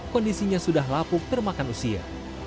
kondisinya sudah lapuk termakan usia